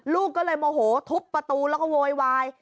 ลูกก็เลยโมโหทุบประตูแล้วก็โวยวาย